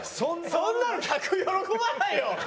そんなの客喜ばないよ！